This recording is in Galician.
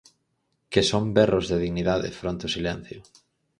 Que son berros de dignidade fronte ao silencio.